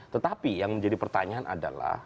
tetapi yang menjadi pertanyaan adalah